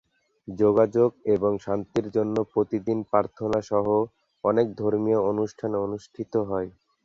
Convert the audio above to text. যোগাযোগ এবং শান্তির জন্য প্রতিদিন প্রার্থনাসহ অনেক ধর্মীয় অনুষ্ঠান অনুষ্ঠিত হয়।